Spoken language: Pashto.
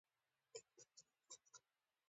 له پالیسی سره بشپړ توپیر درلود.